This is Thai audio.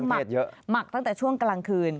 เป็ดเยอะหมักตั้งแต่ช่วงกลางคืน